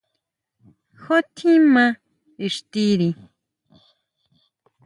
Jú tjín maa ixtiri.